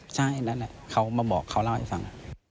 ใช่นั่นแหละเขามาบอกเขาเล่าให้ฟัง